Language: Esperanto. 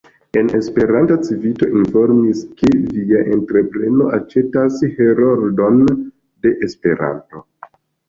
La Esperanta Civito informis, ke via entrepreno aĉetas Heroldon de Esperanto.